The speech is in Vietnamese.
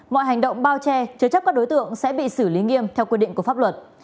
mọi hành động bao che chứa chấp các đối tượng sẽ bị xử lý nghiêm theo quy định của pháp luật